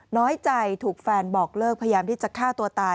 น้อยใจถูกแฟนบอกเลิกพยายามที่จะฆ่าตัวตาย